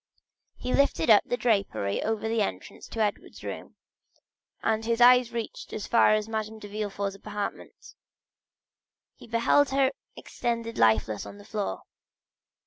He lifted up the drapery over the entrance to Edward's room, and his eye reaching as far as Madame de Villefort's apartment, he beheld her extended lifeless on the floor.